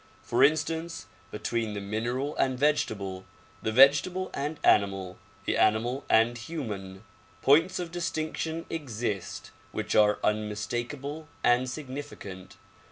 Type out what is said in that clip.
For instance, between the mineral and vegetable, the vegetable and animal, the animal and human, points of distinction exist which are unmistakable and significant.